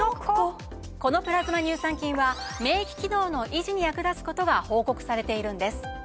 このプラズマ乳酸菌は免疫機能の維持に役立つことが報告されているんです。